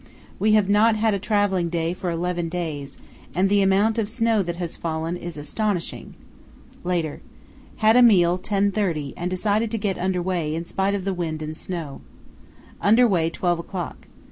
We have not had a travelling day for eleven days, and the amount of snow that has fallen is astonishing. Later.—Had a meal 10.30 and decided to get under way in spite of the wind and snow. Under way 12 o'clock.